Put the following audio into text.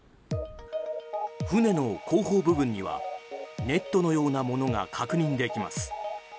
船の後方部分にはネットのようなものが確認できます。